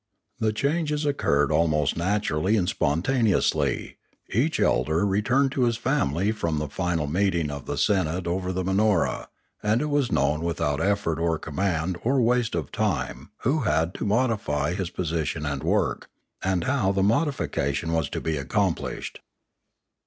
The changes occurred almost naturally and spontaneously; each elder returned to his family from the final meeting of the senate over the Manora, and it was known without effort or command or waste of time who had to modify his position and work, and how the modification was to be accomplished.